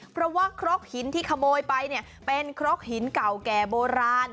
เพราะว่าครกหินที่ขโมยไปเนี่ยเป็นครกหินเก่าแก่โบราณ